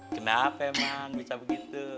kenapa emak bisa begitu